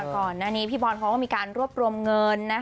ก่อนหน้านี้พี่บอลเขาก็มีการรวบรวมเงิน